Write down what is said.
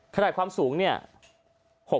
ขนาดความสูง๖นิ้ว